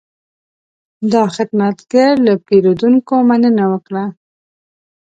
دا خدمتګر له پیرودونکو مننه وکړه.